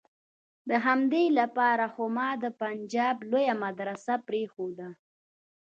د همدې د پاره خو ما د پنجاب لويه مدرسه پرېخوده.